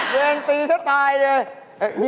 มันจะตายเลย